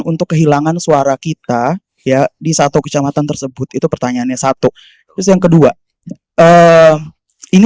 untuk kehilangan suara kita ya di satu kecamatan tersebut itu pertanyaannya satu terus yang kedua ini